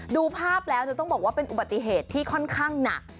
ดูภาพแล้วต้องบอกว่าเป็นอุบัติเหตุที่ค่อนข้างหนัก